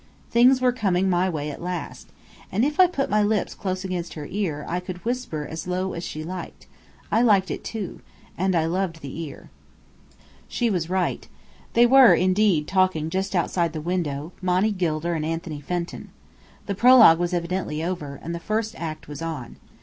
Things were coming my way at last. And if I put my lips close against her ear I could whisper as low as she liked. I liked it too. And I loved the ear. She was right. They were indeed talking just outside the window, Monny Gilder and Anthony Fenton. The prologue was evidently over, and the first act was on.